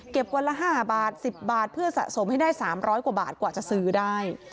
วันละ๕บาท๑๐บาทเพื่อสะสมให้ได้๓๐๐กว่าบาทกว่าจะซื้อได้